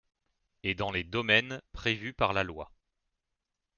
et dans les domaines prévus par la loi